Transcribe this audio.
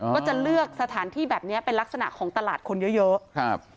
ก็จะเลือกสถานที่แบบเนี้ยเป็นลักษณะของตลาดคนเยอะเยอะครับ